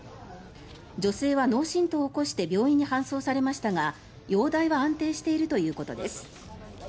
女性は脳振とうを起こして病院に搬送されましたが容体は安定しているということです。